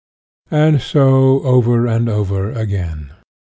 And so over and over again.